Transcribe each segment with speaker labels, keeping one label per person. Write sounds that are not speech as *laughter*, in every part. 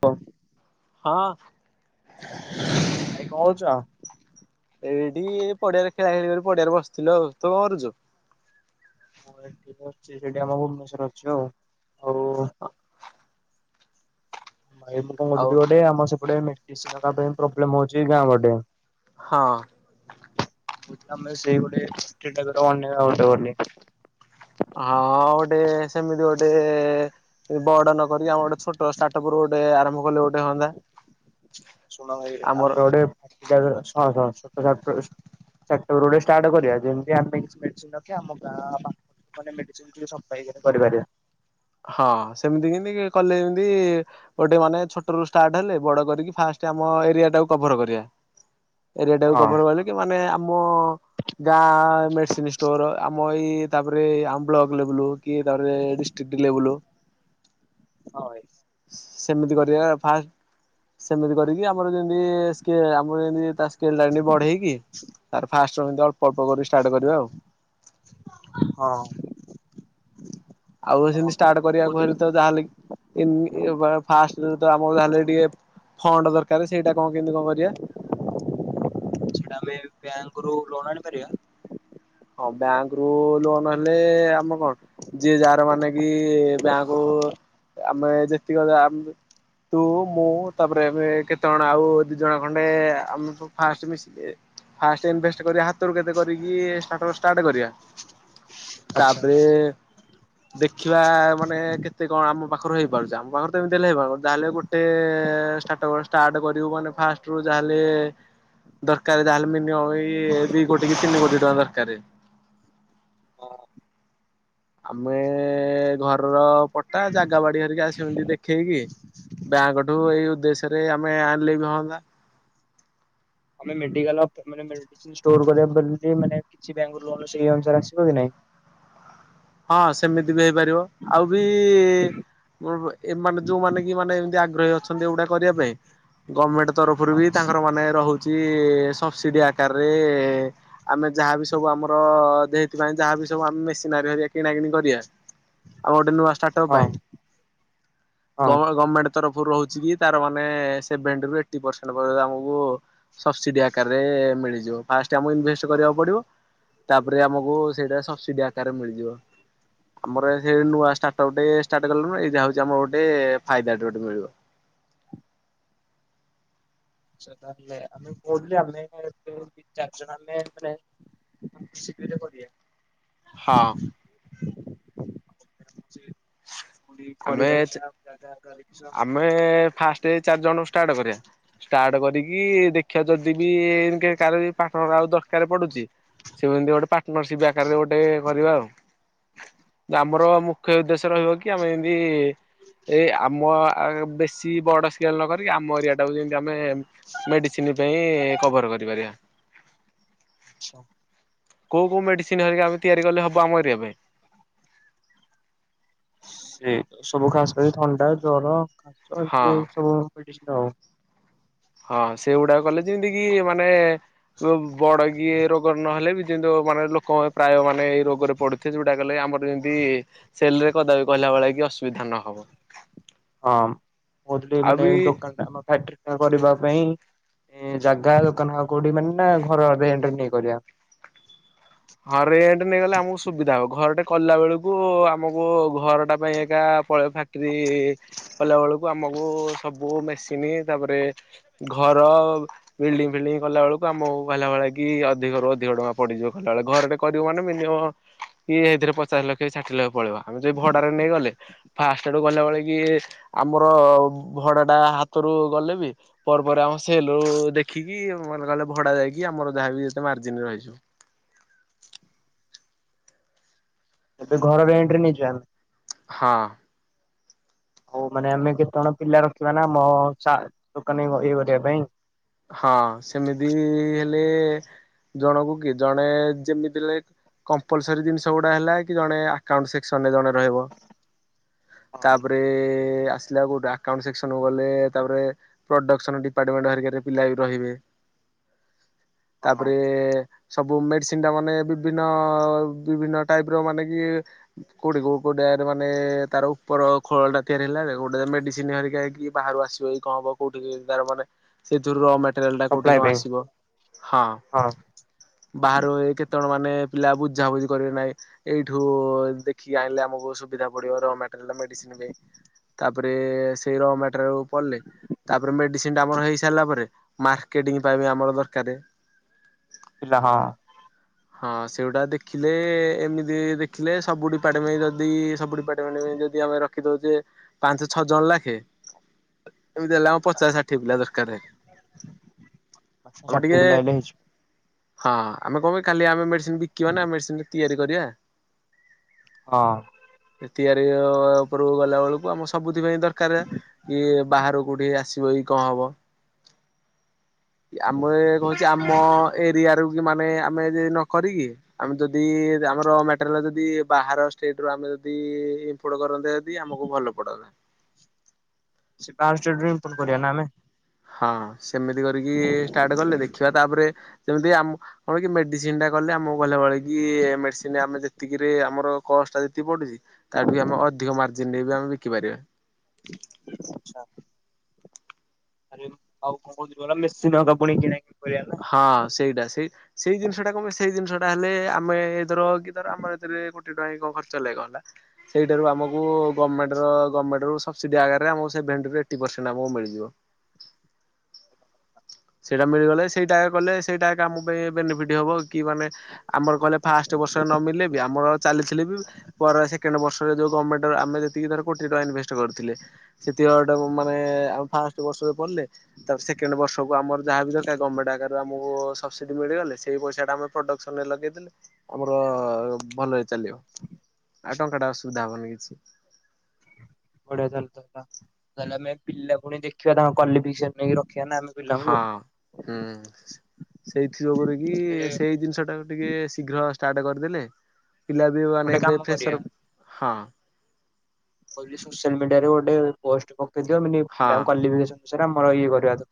Speaker 1: ହଉ।
Speaker 2: ହଁ। *inaudible*
Speaker 1: ହଁ ଭାଇ କଣ ହଉଛ?
Speaker 2: ଏଇଠି ଏ ପଡିଆରେ ଖେଳା ଖେଳି କରି ପଡିଆରେ ବସିଥିଲୁ ଆଉ, ତୁ କଣ କରୁଛୁ?
Speaker 1: ମୁ ଏଠି ବଶ୍ଚି ହେଟି ଆମ ଭୁବନେଶ୍ୱର ଅଛୁ ଆଉ। ଆଉ
Speaker 2: ହ।
Speaker 1: ଭାଇ ମୁଁ କଣ
Speaker 2: ଆଉ
Speaker 1: କହୁଥିଲି ଗୋଟେ ଆମର ସେପଟେ ମେଡିସିନ ପାଇଁ ପ୍ରୋବ୍ଲେମ ହଉଛି ଗାଁ ପଟେ।
Speaker 2: ହଁ।
Speaker 1: ଆମେ ସେଇପଟେ। *unintelligible*
Speaker 2: ହଁ ଗୋଟେ ସେମିତି ଗୋଟେ ବଡ ନ କରିକି ଆମ ଗୋଟେ ଛୋଟ ଷ୍ଟାର୍ଟପୁରୁ ଗୋଟେ ଆରମ୍ଭ କଲେ ଗୋଟେ ହୁଅନ୍ତା।
Speaker 1: ଶୁଣ ଭାଇ ଆମେ
Speaker 2: ଆମର
Speaker 1: ଗୋଟେ ଶୁଣ ଶୁଣ। *unintelligible* ସେପ୍ଟେବରୋ ଷ୍ଟାର୍ଟ କରିବା ଯେମିତି ଆମେ କିଛି ମେଡିସିନ ରଖିବା ଆମ ଗାଁ ମେଡ଼ିସିନ୍ ସପ୍ଲାଏ କରିପାରିବା।
Speaker 2: ହଁ ସେମିତି କେମତି କଲେ ଏମିତି ଗୋଟେ ମାନେ ଛୋଟ ରୁ ଷ୍ଟାର୍ଟ ହେଲେ ବଡ କରିକି ଫାଷ୍ଟ ଆମ ଏରିଆଟାକୁ କଭର କରିବା।
Speaker 1: ହ
Speaker 2: ଏରିଟାକୁ କବର କରିକି ମାନେ ଆମ ଗାଁ ମେଡିସିନ ଷ୍ଟୋର ଆମ ଏଇ ତାପରେ ଆମ ବ୍ଲକ ଲେବଲ କିଏ ତାପରେ ଡିଷ୍ଟ୍ରିକ୍ଟ ଲେବଲୁ
Speaker 1: ହଁ ଭାଇ
Speaker 2: ସେମିତି କରିବା ଫାଷ୍ଟ। ସେମିତି କରିକି ଆମର ଯେମତି ସ୍କେ ଆମର ଯେମିତି ସ୍କୈ ଲାଇନ୍ ବଢ଼େଇକି ତାର ଫାଷ୍ଟ କେମତି ଅଳ୍ପ ଅଳ୍ପ କରି ଷ୍ଟାର୍ଟ କରିବା ଆଉ।
Speaker 1: ହଁ।
Speaker 2: ଆଉ
Speaker 1: ହଁ ହଁ
Speaker 2: ସେମିତି
Speaker 1: ମୁଁ
Speaker 2: ଷ୍ଟାର୍ଟ କରିବାକୁ ହେଲେ
Speaker 1: କହୁଥିଲି
Speaker 2: ତ ଯାହାହେଲେ କି, *unintelligible* ଫାଷ୍ଟ ଆମକୁ ତ ଯିହାହେଲେବି ଟିକେ ଫଣ୍ଡ ଦରକାର ସେଇଟା କଣ କେମତି କଣ କରିବା?
Speaker 1: ସେଟା ଆମେ ବ୍ୟାଙ୍କରୁୁ ଲୋନ ଆଣିପାରିବା।
Speaker 2: ହଁ ବ୍ୟାଙ୍କ ରୁ ଲୋନ ହେଲେ ଆମ କଣ ଯିଏ ଯାହାର ମାନେ କି ବ୍ୟାଙ୍କରୁ ଆମେ ଯେତିକ ଯା ତୁ ମୁଁ ତାପରେ ଏବେ କେତେଜଣ ଆଉ ଦି ଜଣ ଖଣ୍ଡେ ଆମ ଫାର୍ଷ୍ଟ ମିଶି ଫାର୍ଷ୍ଟ ଇନଭେଷ୍ଟ୍ କରିବା ହାତରୁ କେତେ କରିକି *unintelligible* ଷ୍ଟାର୍ଟ କରିବା ତାପରେ
Speaker 1: ଆଚ୍ଛା।
Speaker 2: ଦେଖିବା ମାନେ କେତେ କଣ ଆମ ପାଖରୁ ହେଇପାରୁଛି ଆମ *unintelligible* ଯାହେଲେ ଗୋଟେ ଷ୍ଟାର୍ଟଅପ୍ ଷ୍ଟାର୍ଟ କରିବୁ ମାନେ ଫାର୍ଷ୍ଟ ରୁ ଯାହେଲେ ଦରକାର ଯାହା ହେଲେ ମିନିଅମ ଏଇ ଦି କୋଟିକି ତିନି କୋଟି ଟଙ୍କା ଦର କାରେ। ଆମେ ଘରର ପଟା ଜାଗା ବାଡ଼ି ହେରିକା ସେମିତି ଦେଖେଇକି ବ୍ୟାଙ୍କ ଠୁ ଏଇ ଉଦ୍ଦେଶ୍ୟରେ ଆମେ ଆଣିଲେ ବି ହଅନ୍ତା।
Speaker 1: ଆମେ ମେଡ଼ିକାଲ ମାନେ ମେଡ଼ିସିନ୍ ଷ୍ଟୋର କରିବା ମାନେ କିଛି ବ୍ୟାଙ୍କରୁ ଲୋନ ସେଇ ଅନୁସାରେ ଆସିବ କି ନାଇଁ? *inaudible*
Speaker 2: ହଁ ସେମିତି ବି ହେଇପାରିବ ଆଉ ବି ଏ ମାନେ ଯୋଉମାନେ କି ମାନେ ଏମତି ଆଗ୍ରହୀ ଅଛନ୍ତି ଏଗୁଡ଼ା କରିବା ପାଇଁ ଗମେଣ୍ଟ୍ ତରଫରୁ
Speaker 1: ହଁ
Speaker 2: ବି ତାଙ୍କର ମାନେ ରହୁ ଛି ସବସିଡି଼ ଆକାରରେ ଆମେ ଯାହାବି ସବୁ ଆମର ସେଥିପାଇଁ ଯାହାବି ସବୁ ଆମେ ମେସିନିହେରିକା କିଣା କିଣି କରିବା ଆଉ ଗୋଟେ ନୂଆ ଷ୍ଟାର୍ଟ ଅପ୍
Speaker 1: ହଁ ହଁ।
Speaker 2: ପାଇଁ କଣ
Speaker 1: ଆଚ୍ଛା
Speaker 2: ଗମେଣ୍ଟ୍ ତରଫରୁ ରହୁଛି କି ତାର ମାନେ ସେଭେନ୍ଟି ରୁ ଏଇଟି ପ୍ରସେଣ୍ଟ୍ ଆମକୁ ସବସିଡି଼ ଆକାରରେ ମିଳିଯିବ ଫାଷ୍ଟ୍ ଆମକୁ ଇନଭେଷ୍ଟ୍ କରିବାକୁ ପଡ଼ିବ। ତାପରେ ଆମକୁ ସେଇଟା ସବସିଡି଼ ଆକାରରେ ମିଳିଯିବ। ଆମର *unintelligible* ନୂଆା ଷ୍ଟାର୍ଟଅପ ଟେ ଷ୍ଟାର୍ଟ କଲୁଣୁ ଏଇଟା ହଉଛି ଆମର ଗୋଟେ ଫାଇଦା ଟେ ଗୋଟେ ମିଳିବ।
Speaker 1: *inaudible* *unintelligible* ଚାରିଜଣ ଆମେ ମିଶିକିରି କରିବା।
Speaker 2: ହଁ।
Speaker 1: *unintelligible*
Speaker 2: ଆମେ
Speaker 1: କରିବା *unintelligible*
Speaker 2: ଆମେ ଫାର୍ଷ୍ଟ ଚାରି ଜଣ ରୁ ଷ୍ଟାର୍ଟ କରିବା ଷ୍ଟାର୍ଟ କରିକି ଦେଖିଆ ଯଦି ବି କାହାର ପାର୍ଟନର ଆଉ ଦରକାର ପଡୁ଼ଚି ସେମିତି ଗୋଟେ ପାର୍ଟନରସିପ୍ ଆକାରରେ ଗୋଟେ କରିବା ଆଉ‌।
Speaker 1: *inaudible*
Speaker 2: ଆମର ମୁଖ୍ୟ ଉଦ୍ଦେଶ୍ୟ
Speaker 1: ଆଚ୍ଛା।
Speaker 2: ରହିବ କି ଆମେ ଏମିତି ଏଇ ଆମ ବେଶୀ ବଡ଼ ସ୍କେଲ ନବାନି ଆମ ଏରିଆ ଟାକୁ ଯେମିତି ଆ ଆମେ ମେଡ଼ିସିନ୍ ପାଇଁ କଭର କରିପାରିବା।
Speaker 1: ଆଚ୍ଛା।
Speaker 2: କୋଉ କୋଉ ମେଡ଼ିସିନ୍ ହେରିକା ଆମେ ତିଆରି କଲେ ହବ ଆମ ଏରିଆ ପାଇଁ?
Speaker 1: ଏଇ ସବୁ ଖାସ, ଥଣ୍ଡା, ଜର
Speaker 2: ହଁ।
Speaker 1: ଏଇ ସବୁ *unintelligible*
Speaker 2: ହଁ ସେଗୁଡ଼ାକ କଲେ ଯେମିତି କି ମାନେ ବଡ଼ କିିଏ ରୋଗ ନହେଲେ ବି ଯେମିତି ମାନେ ଲୋକ ପ୍ରାୟ ମାନେ ଏଇ ରୋଗରେ ପଡୁଥିବେ ଯୋଉଟା କଲେ ଆମର ଯେମିତି ସେଲ୍ ରେ କଦାପି କହିଲା ଭଳିଆ କି ଅସୁବିଧା ନହବ।
Speaker 1: ହଁ କହୁଥିଲି
Speaker 2: ଆଉ
Speaker 1: ମାନେ
Speaker 2: ବି
Speaker 1: ଦୋକାନ ଟା ଆମ ଫ୍ୟାକ୍ଟ୍ରି କରିବା ପାଇଁ। ଏ ଜାଗା ଦୋକାନ ଘର କୋଉଠି ମାନେ *unintelligible* ଘର ରେଣ୍ଟ୍ ରେ ନେଇ କରିବା।
Speaker 2: ହଁ ରେଣ୍ଟ୍ ନେଇଗଲେ ଆମକୁ ସୁବିଧା ହବ ଘରଟେ କଲା ବେଳକୁ ଆମକୁ ଘର ଟା ପାଇଁ ଏକା ପଳେଇବ ଫ୍ୟାକ୍ଟ୍ରି କଲା ବେଳକୁ ଆମକୁ ସ ସବୁ ମେସିନ୍ ତାପରେ ଘର ବିଲ୍ଡିଙ୍ଗ୍ ଫିଲ୍ଡିଙ୍ଗ୍ କଲା ବେଳକୁ ଆମକୁ କହିଲା ଭଳିଆ କି କି ଅଧିକ ରୁ ଅଧିକ ଟଙ୍କା ପଡ଼ିଯିବ। ତା ବଳେ ଘରେ କରିବ ମାନେ ମିନିମମ୍ କି ସେଇଥିରେ ପଚାଶ ଲକ୍ଷ ଷାଠିଏ ଲକ୍ଷ ପଳେଇବ, ଆମେ ଯଦି ଭଡାରେ ନେଇ ଗଲେ ଫାଷ୍ଟଡୁ ଗଲାବେଳେ କି ଆମର ଭଡା ଟା ହାତରୁ ଗଲେ ବି ପରେ ଆମ ସେଲୁ ଦେଖିକି ମେ କହେ ଭଡା ଯାଇକି, ଆମର ଯାହା ବି ଯେତେ ମାର୍ଜିନ ରେ ରହିଯିବ।
Speaker 1: ଏବେ ଘର ରେଣ୍ଟ ରେ ନେଇଛୁ ଆମେ
Speaker 2: ହଁ।
Speaker 1: ହଉ ମାନେ ଆମେ କେତେ ଜଣ ପିଲା ରଖିବା ନା, ଆମ ଦୋକାନୀ ଇଏ କରିବା ପାଇଁ
Speaker 2: ହଁ ସେମିତି ହେଲେ ଜଣକୁ କି ଜଣେ ଯେମିତି ଲ କମ୍ପଲସରୀ ଜିନିଷ ଗୁଡା ହେଲା କି ଜଣେ ଆକାଉଣ୍ଟ ସେକ୍ସନ ରେ ଜଣେ ରହିବ, ତାପରେ ଆସିଲା କଉଟୁ ଆକାଉଣ୍ଟ ସେକ୍ସନ ଗଲେ ତାପରେ ପ୍ରଡସନ ଡିପାର୍ଟମେଣ୍ଟ ହରିକାରେ ପିଲା ବି ରହିବେ
Speaker 1: ହଁ
Speaker 2: ତାପରେ ସବୁ ମେଡିସିନ ଟା ମାନେ ବିଭିନ୍ନ ବିଭିନ୍ନ ଟାଇପ ର ମାନେ କି କୋଉଡି କୋଉ କୋଡିଆ ମାନେ ତାର ଉପର ଖୋଳ ଟା ତିଆରି ହେଲା ଗୋଟେ ମେଡିସିନ ହେରିକା ହେଇକି ବାହାରୁ ଆସିବ କଣ ହବ, କୋଉଠି ମାନ ସେଥିରୁ କଏଲ କୋଉଠି
Speaker 1: ସପ୍ଲାଏ
Speaker 2: କଣ
Speaker 1: ପାଇଁ
Speaker 2: ଆସିବ, ହଁ ବାହାରୁ କେତେଣ ମାନେ ପିଲା ବୁଝାବୁଝି କରିବେ ନାହିଁ ଏଇଠୁ ଦେଖିକି ଆଣିଲେ, ଆମକୁ ସୁବିଧା ପଡ଼ିବ ର ମଟେରିଲ ମେଡିସିନ ତାପରେ ସେଇ ରମଟ ପଡିଲେ ତାପରେ ମେଡିସିନ ଟା ଆମର ହେଇ ସିଲା ପରେ ମାର୍କେଟିଂ ପାଇଁ ଆମର ଦରକାରେ
Speaker 1: ପିଲା ହଁ।
Speaker 2: ହଁ ସେଇଟା ଦେଖିଲେ ଏମିତି ଦେଖିଲେ, ସବୁ ଡିପାର୍ଟମେଣ୍ଟ ଯଦି ସବୁ ଡିପାର୍ଟମେଣ୍ଟ ଯଦି ଆମେ ରଖି ଦଉଛେ ପାଞ୍ଚ ଛଅ ଜଣ ଲେଖେ, ଏମତି ହେଲା ଆମ ପଚାଶ ଷାଠି ଦରକାରେ,
Speaker 1: ଆଛା
Speaker 2: ଆମେ ଟିକେ
Speaker 1: ଷାଠିଏ ପିଲା ହେଲେ ହେଇଯିବ
Speaker 2: ହଁ ଆମେ କଣ କାଲି ଆମେ ମେଡିସିନ ବିକିବା ନା ମେଡିସିନ ଟା ତିଆରି କରିବା।
Speaker 1: ହଁ।
Speaker 2: ତିଆରି ଉପରକୁ ଗଲା ବେଳକୁ ଆମ ସବୁଥିପାଇ ଦରକାର କି ବାହାର କୋଉଠି ଆସି କଣ ହବ। ଆମେ କହୁଛେ ଆମ ଏରିଆରୁ କି ମାନେ ଆମେ ଯଦି ନ, କରିକି ଆମେ ଯଦି ଆମର ମଟେରିଲ ଯଦି ବାହାର ଷ୍ଟେଟୁ ଆମେ ଯଦି ଇପୋର୍ଟ କର ଦେଦି ଆମକୁ ଭଲ ପଡାନ୍ତା।
Speaker 1: ସେପ ପ କୋରିଆ ନ ଆମେ
Speaker 2: ହଁ ସେମିତି କରିକି ଷ୍ଟାର୍ଟ କଲେ ଦେଖିବା ତାପରେ ଯେମିତି ଆମ କଣ କି ମେଡିସିନ ଟା କଲେ ଆମକୁ ଗହିଲବେଳେ କି ମେଡିସିନ ଆମେ ଯେତିକିରେ ଆମର ଦଶଟା ଯେତିକ ପଡୁଛି। ତାଠ ବି ଆମେ ଅଧିକ ମାର୍ଜିନ ରେ ବି ଆମେ ବିକିପାରିବା।
Speaker 1: ଆଛା ଆରେ ଆଉ କଣ କହୁଥିଲୁ ମେସିନ୍ ପୁଣି କିଣା କରିବା ନା
Speaker 2: ହଁ ସେଇଟା ସେଇ ସେଇ ଜିନିଷ ଟା କମେ ସେଇ ଜିନିଷ ହେଲେ ଆମେ ଏ ଧର କି ଧର ଆମର ଏଥିରେ କୋଟି ଟଙ୍କା କଣ ଖର୍ଚ୍ଚ ଲାଗ ହେଲା ସେଇଠାରୁ ଆମକୁ ଗମେଣ୍ଟର ଗମେଣ୍ଟରୁ ସବଦୀ ଆଗରେ ଆମକୁ ସେଭେଣ୍ଟି ରୁ ଏଇଟି ପରସେଣ୍ଟ ମିଳିଯିବ।
Speaker 1: *inaudible*
Speaker 2: ସେଇଟା ମିଳିଗଲେ ସେଇଟା କଲେ ସେଇଟା ଆମ ପାଇଁ ବେନିଫିଟ ହବ କି ମାନେ ଆମର କହେ ଫାଷ୍ଟ ବର୍ଷରେ ନ ମିଲେ ବି ଆମର ଚାଲିଥିଲେ ବି ପରେ ସେକଣ୍ଡ ବର୍ଷରେ, ଯୋଉ ଗଭର୍ଣ୍ଣମଣ୍ଟ ଆମେ ଯେତିକି ର କୋଟି ଟଙ୍କା ୱେଷ୍ଟ କରିଥିଲେ, ସେ, ମାନେ ଫାଷ୍ଟ ବର୍ଷ ରେ ପଢିଲେ, ତା ପରେ ସେଖେଣ୍ଡ ବର୍ଷ ଆମର ଯାହା ବି ଦରକାର ଗଭର୍ଣ୍ଣମେଣ୍ଟ ଆଗରେ ଆମକୁ ସବସିଡି ମିଳିଗଲେ ସେଇ ପଇସା ଟାମେ ପ୍ରଡକ୍ସନ ରେ ଲଗେଇ ଦେଲେ ଆମର ଭଲ ହେଇ ଚାଲିବ। ଆଉ ଟଙ୍କା ଟା ଅସୁବିଧା ହବନି କିଛି।
Speaker 1: ବଢିଆ ଚାଲୁଲା ତାହେଲେ ଆମେ ପିଲା ପୁଣି ଦେଖିବା ତାଙ୍କ କଵାଲିଫିକେସନ ନେଇ ର
Speaker 2: ହଁ ହୁଁ। ସେଇଥି ଯୋଗୁରୁ କି
Speaker 1: ସେ
Speaker 2: ସେଇ ଜିନିଷ ଟା ଟିକେ ଶୀଘ୍ର ଷ୍ଟାର୍ଟ କରି ଲେ ପିଲା ବି
Speaker 1: ଗୋଟେ
Speaker 2: ମାନେ
Speaker 1: କାମ
Speaker 2: ଏବେ
Speaker 1: କରିବା
Speaker 2: ଫ୍ରସର ହଁ
Speaker 1: କହିଲି ସୋଶିଆଲ ମିଡିଆରେ ଗୋଟେ ପୋଷ୍ଟ ପକେଇ ଦିଅ ମାନେ
Speaker 2: ହଁ।
Speaker 1: ପିଲାଙ୍କ କ୍ୱାଲିଫିକେସନ ଅନୁସାରେ ଆମର ଇଏ କରିବା ଏଥ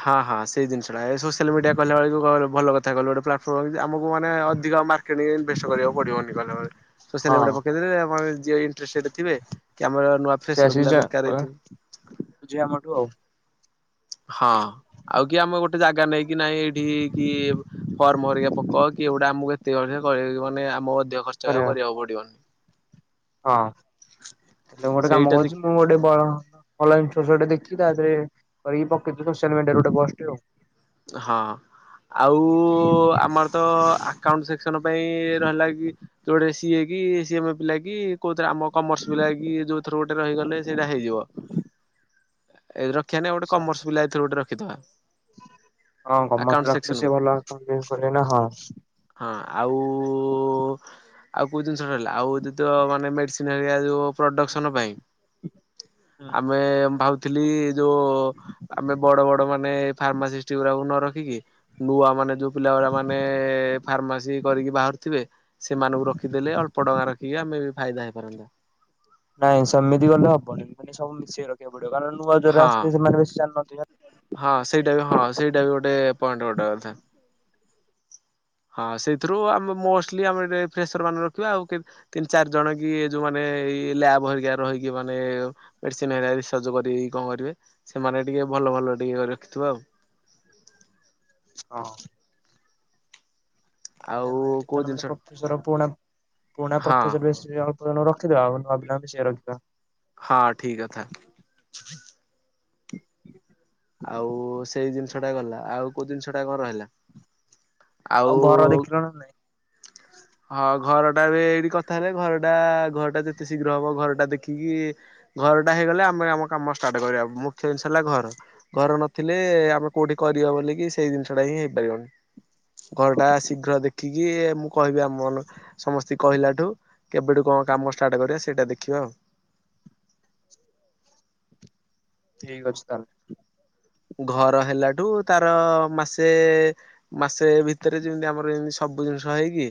Speaker 2: ହଁ ହଁ ସେଇ ଜିନିଷଟା ଏ ସୋସିଆଲ ମିଡିଆ କଲା ବେଳକୁ କଣ ଭଲ କଥା କହିଲୁ ଗୋଟେ ପ୍ଲାଟଫର୍ମ ଯେ ଆମୁକୁ ମାନେ ଅଧିକ ମାର୍କେଟିଙ୍ଗରେ ଇନଭେଷ୍ଟ କରିଆକୁ ପଡିବନି କଲାବେଳେ ସୋସିଆଲ
Speaker 1: ହଁ
Speaker 2: ମିଡ଼ିଆରେ ପକେଇ ଦେଲେ ଆମର ଯିଏ ଇଣ୍ଟରେଷ୍ଟଟେଡ୍ ଥିବେ କି ଆମର ନୂଆ ଫ୍ରେସର ପିଲା ଦରକାର ହେଇଥିବ
Speaker 1: ବୁଝିବେ ଆମଠୁ ଆଉ।
Speaker 2: ହଁ ଆଉ କି ଆମ ଗୋଟେ ଜାଗା ନେଇକି ନାଇଁ ଏଇଠି କି ଫର୍ମ ହରିକା ପକ କି ଏଇଗୁଡ଼ା ଆମୁକୁ ଏତେ ଅରେ କରି ମାନେ ଆମୁକୁ ଅଧିକ ଖର୍ଚ୍ଚ ଆଉ
Speaker 1: କରିବା
Speaker 2: କରିଆକୁ ପଡିବନି।
Speaker 1: ହଁ ଦେଖ ମୁଁ ଗୋଟେ କାମ
Speaker 2: ସେଇଟା ଦେଖି
Speaker 1: କରୁଚି ମୁଁ ଗୋଟେ ଭଲ ଅନଲାଇନ *unintelligible* ଦେ ଚି ତା ଧେରେ କରିକି ପକେଇଚୁ ସୋସିଆଲ ମିଡିଆ ରେ ଗୋଟେ ପୋଷ୍ଟଟେ ଆଉ।
Speaker 2: ହଁ ଆଉ ଆମର ତ ଆକାଉଣ୍ଟ ସେକ୍ସନ ପାଇଁ ର ହେଲା କି ଯୋଉ ଗୋଟେ ସିଏ କି ସିଏ ମ ପିଲା କି କୋଉଥି ଆମ କମର୍ସ ସ୍ ପିଲା କି ଯୋଉଥିରୁ ଗୋଟେ ରହିଗଲେ ସେଇଟା ହେଇଯିବ।
Speaker 1: ହଁ।
Speaker 2: ଏ ରଖିଆ ନାଇ ଆଉ ଗୋଟେ କମର୍ସ ପିଲା ଭିତରୁ ଗୋଟେ ରଖିଦବା।
Speaker 1: ହଁ କମର୍ସ
Speaker 2: ଆକାଉଣ୍ଟ
Speaker 1: ରଖିଲେ ସିଏ
Speaker 2: ସେକ୍ସନକୁ
Speaker 1: ଅଲଗା କଣ କେମି କରି ଆଇଁଲା ହଁ।
Speaker 2: ହଁ ଆଉ ଆଉ କୋଉ ଜିନିଷ ରହିଲା ଆଉ ହଉଚି ତ ମାନେ ମେଡିସିନ୍ ହେରିକା ଯୋଉ ପ୍ରଡକ୍ସନ ପାଇଁ। ଆମେ ମୁଁ ଭାବଥିଲି ଯୋଉ ଆମେ ବଡ ବଡ ମାନେ ଫାର୍ମାସିଷ୍ଟ୍ ସେଗୁରାଙ୍କୁ ନ ରଖିକି ନୂଆ ମାନେ ଯୋଉ ପିଲା ଗୁଡା ମାନେ ଫାର୍ମାସି କରିକି ବାହାରୁଥିବେ ସେମାନଙ୍କୁ ରଖିଦେଲେ ଅଳ୍ପ ଟଙ୍କା ରଖିକି ଆମେ ବି ଫାଇଦା ହେଇପାରନ୍ତା।
Speaker 1: ନାଇଁ ସେମିତି ଗଲେ ହବନି ମାନେ ସବୁ ମିଶିକି ରଖିଆକୁ କାରଣ ନୂଆ ଜୋରେ ଆସି
Speaker 2: ହଁ
Speaker 1: ସେମାନେ ବେଶୀ ଜାନାହାନ୍ତି।
Speaker 2: ହଁ ସେଇଟା ବି ହଁ ସେଇଟା ବି ଗୋଟେ ପଏଣ୍ଟ ଗୋଟେ କଥା। ହଁ ସେଇଥିରୁ ଆମେ ମୋଷ୍ଟଲି ଆମେ ଏ ଫେସର ମାନେ ରଖିବା ଆଉ ତିନି ଚାରି ଜଣ କି ଯୋଉ ମାନେ ଏଇ ଲ୍ୟାବ ହେରିକ ରହିକି ମାନେ ମେଡିସିନ ରିସର୍ଜ କରି କଣ କରିବେ ସେମାନେ ଟିକେ ଭଲ ଭଲ ଟିକେ ରଖିଥିବ ଆଉ।
Speaker 1: ହଁ। *unintelligible*
Speaker 2: ଆଉ କୋଉ ଜିନିଷ
Speaker 1: ଣୁ ରଖିଦବା ଆଉ
Speaker 2: ହଁ
Speaker 1: ନୂଆ ପିଲା ଆମେ ସେଏ ରଖିବା।
Speaker 2: ହଁ ଠିକଥା। ଆଉ ସେଇ ଜିନିଷ ଟା ଗଲା ଆଉ କୋଉ ଜିନିଷ ଟା କଣ ରହିଲା? ଆଉ
Speaker 1: ଘର ଦେଖିଲଣି ନା ନାଇଁ
Speaker 2: ହଁ ଘର ଘା ଏଇଠି କଥା ହେଲେ ଘରଟା ଘରଟା ଯେତେ ଶୀଘ୍ର ହବ ଘରଟା ଦେଖିକି ଘରଟା ହେଇଗଲେ ଆମ ଆମ କାମ ଷ୍ଟାର୍ଟ କରିବା ମୁଖ୍ୟ ଜିନିଷ ହେଲା ଘର। ଘର ନଥିଲେ ଆମେ କୋଉଠି କରିବ ବୋଲିକି ସେଇ ଜିନିଷ ଟା ହିଁ ହେଇପାରିବନି। ଘର
Speaker 1: ହଁ
Speaker 2: ଟା ଶୀଘ୍ର ଦେଖି ଦେଖିକି ମୁଁ କହିବି ଆମ ସମସ୍ତେ କହିଲା ଠୁ କେବେଠୁ କଣ କାମ ଷ୍ଟାର୍ଟ କରିବା ସେଇଟା ଦେଖିବା। ହଁ।
Speaker 1: ଠିକ ଅଛି ତାହେଲେ।
Speaker 2: ଘର ହେଲାଠୁ ତାର ମାସେ ମାସେ ଭିତରେ ଯେମିତି ଆମର ଏମିତି ସବୁ ସବୁ ଜିନିଷ ହେଇକି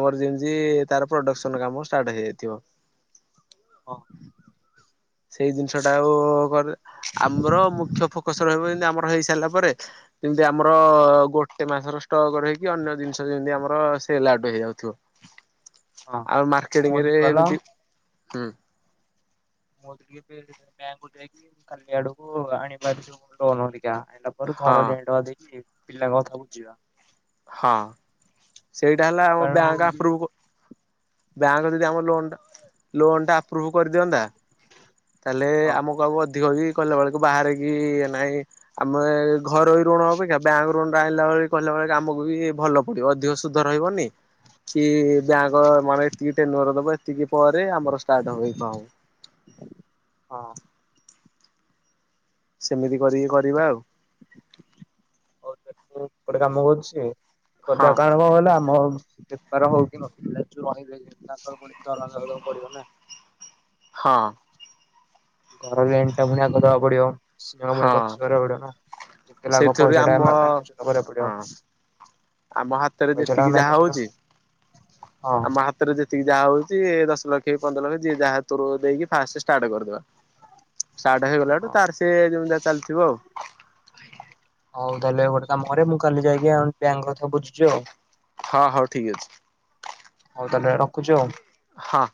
Speaker 2: ଆମର ଯେମିତି ତାର ପ୍ରଡକ୍ସନ କାମ ଷ୍ଟାର୍ଟ ହେଇଯାଇଥିବ।
Speaker 1: ହଁ।
Speaker 2: ସେଇ ଜିନିଷ ଟା ଆଉ ଆମର ମୁଖ୍ୟ ଫୋକସ ରହିବ ଯେମତି ଆମର ହେଇ ସାରିଲା ପରେ ଯେମିତି ଆମର ଗୋଟେ ମାସର ଷ୍ଟକ ରହିକି ଅନ୍ୟ ଜିନିଷ ଯେମିତି ଆମର ହଁ ସେ ଲାଡୁ ହେଇଯାଉଥିବ
Speaker 1: ହଁ
Speaker 2: ଆଉ
Speaker 1: କଣ
Speaker 2: ମାର୍କେଟିଙ୍ଗରେ
Speaker 1: କହୁଥିଲି କହିଲ
Speaker 2: ଏମିତି ହୁଁ।
Speaker 1: ମୁଁ *unintelligible* ବ୍ୟାଙ୍କକୁ ଯାଇକି କାଲି ଆଡକୁ ଆଣିିବାର
Speaker 2: ହଁ
Speaker 1: ଲୋନ୍ *unintelligible* *unintelligible*
Speaker 2: ହଁ ସେଇଟା ହେଲା ଆମ
Speaker 1: ବେପାର
Speaker 2: ବ୍ୟାଙ୍କ
Speaker 1: ହଉଛି
Speaker 2: ଆପ୍ରୁଭ୍। ବ୍ୟାଙ୍କ ଯଦି ଆମ ଲୋନ୍ଟା ଲୋନ୍ଟା ଆପ୍ରୁଭ୍ କରିଦିଅନ୍ତା ତାହେଲେ
Speaker 1: ହଁ
Speaker 2: ଆମକୁ ଆଉ ଅଧିକ ବି କଲା ବେଳକୁ ବାହାରିକି ନାହିଁ ଆମେ ଘରୋଇ ଋଣ ଅପେକ୍ଷା ବ୍ୟାଙ୍କ ଋଣ ଟା ଆଣିଲା ବେଳେ କହିଲା ବେଳେ କାମକୁ ବି ଭଲ ପଡିବ ଅଧିକ ସୁଧ ରହିବନି। କିଏ ବ୍ୟାଙ୍କ ମଳେ ଏତିକିଟେ ନରଦବ ଏତିକି ପରେ ଆମର ଷ୍ଟାର୍ଟ ହଇକଉ।
Speaker 1: ହଁ
Speaker 2: ସେମିତି କରିକି କରିବା ଆଉ।
Speaker 1: ମୁଁ ଗୋଟେ କାମ କରୁଛି
Speaker 2: ହଁ
Speaker 1: କରିଦବା କାରଣ କଣ କହିଲ ଆମ ତାର ହଉ କି ନ ପିଲା ଯୋଉ ରହିବେ ତାଙ୍କର ପୁଣି ଦରମାଟା ଦବାକୁ ପଡିବ ନା!
Speaker 2: ହଁ।
Speaker 1: ଘର ରେଣ୍ଟ ଟା ଫୁଣି ଆଗ ଦବାକୁ ପଡିବ। *unintelligible* ଖର୍ଚ୍ଚ
Speaker 2: ହଁ
Speaker 1: କରିବାକୁ ପଡିବ ନା ଯେତେ ହେଲେ ଆଗ
Speaker 2: ସେଇଥିରୁ ଆମ
Speaker 1: ପଇସାଟା *unintelligible* ପଡିବ।
Speaker 2: ହଁ ଆମ ହାତରେ
Speaker 1: ପଇସା ଟା
Speaker 2: ଯେତିକି ଯାହା
Speaker 1: ମ୍ୟାନେଜ
Speaker 2: ହଉଛି
Speaker 1: ହଁ
Speaker 2: ଆମ ହାତରେ ଯେତିକି ଯାହା ହଉଚି ଦଶ ଲକ୍ଷ କି ପନ୍ଦର ଲକ୍ଷ ଯିଏ ଯାହା *unintelligible* ଦେଇକି ଫାଷ୍ଟ ଷ୍ଟାର୍ଟ କରିଦବା। ଷ୍ଟାର୍ଟ ହେଇଗଲାଠୁ
Speaker 1: ହଁ
Speaker 2: ତାର ସେ ଯେମିତି ଚାଲିଥିବ ଆଉ।
Speaker 1: ହଉ ତାହେଲେ ଗୋଟେ କାମ କରେ ମୁଁ କାଲି ଯାଇକି ଆଗ ବ୍ୟାଙ୍କ କଥା ବୁଝୁଚି ଆଉ।
Speaker 2: ହଁ ହଉ ଠିକ ଅଛି।
Speaker 1: ହଉ ତାହେଲେ ରଖୁଚି ଆଉ।
Speaker 2: ହଁ।